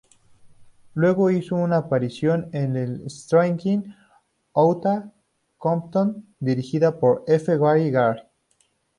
Luego hizo una aparición en "Straight Outta Compton", dirigida por F. Gary Gray.